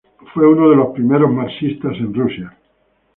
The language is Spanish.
Fue uno de los primeros marxistas en Rusia.